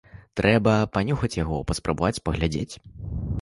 Трэба панюхаць яго, паспрабаваць, паглядзець.